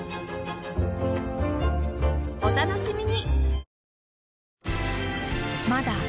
お楽しみに！